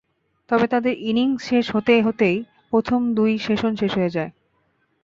তবে তাদের ইনিংস শেষ হতে হতেই প্রথম দুই সেশন শেষ হয়ে যায়।